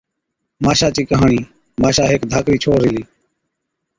ماشا چِي ڪهاڻِي، ماشا هيڪ ڌاڪڙِي ڇوهر هِلِي،